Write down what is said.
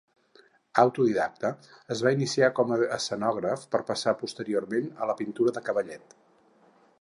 Autodidacte, es va iniciar com a escenògraf per passar posteriorment a la pintura de cavallet.